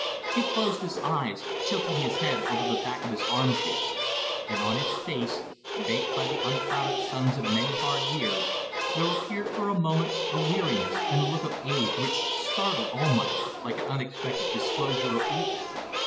He closed his eyes, tilting his head over the back of his armchair; and on his face, baked by the unclouded suns of many hard years, there appeared for a moment a weariness and a look of age which startled Almayer, like an unexpected disclosure of evil.